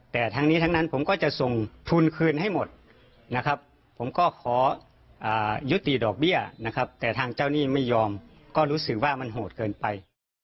แต่ทั้งนี้ทั้งนั้นผมก็จะส่งทุนคืนให้หมดนะครับผมก็ขอยุติดอกเบี้ยนะครับแต่ทางเจ้าหนี้ไม่ยอมก็รู้สึกว่ามันโหดเกินไป